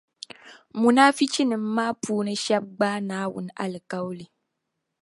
Munaafichinim’ maa puuni shεba gbaai Naawuni alikauli